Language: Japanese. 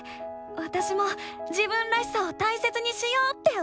わたしも「自分らしさ」を大切にしようって思ったよ！